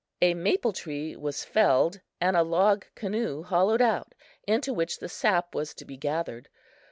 A maple tree was felled and a log canoe hollowed out, into which the sap was to be gathered.